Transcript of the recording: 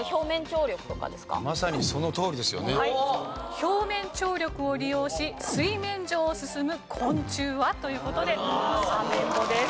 表面張力を利用し水面上を進む昆虫は？という事でアメンボです。